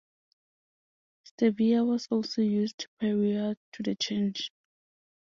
Stevia was also used prior to the change.